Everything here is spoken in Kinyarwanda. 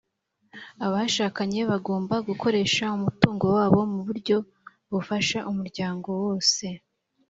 abashakanye bagomba gukoresha umutungo wabo mu buryo bufasha umuryango wose.